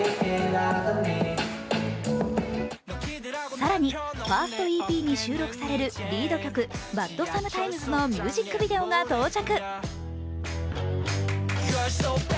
更にファーストＥＰに収録されるリード曲「Ｂｕｔｓｏｍｅｔｉｍｅｓ」のミュージックビデオが到着。